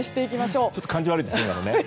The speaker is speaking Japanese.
ちょっと感じ悪いですね。